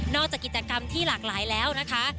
จากกิจกรรมที่หลากหลายแล้วนะคะ